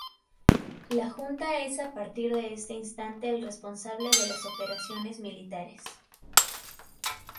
La Junta es a partir de este instante el responsable de las operaciones militares.